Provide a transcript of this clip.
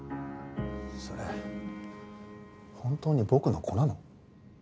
それ本当に僕の子なの？